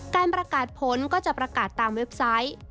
การประกาศผลก็จะประกาศตามเว็บไซต์